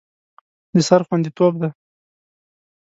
د سر خوندیتوب ده.